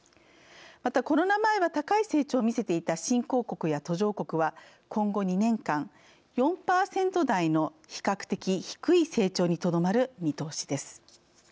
またコロナ前は高い成長をみせていた新興国や途上国は今後２年間４％台の比較的低い成長にとどまる見通しです。